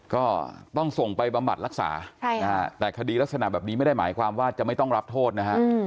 ก็ต้องส่งไปบำบัดรักษาแต่คดีลักษณะแบบนี้ไม่ได้หมายความว่าจะไม่ต้องรับโทษนะฮะ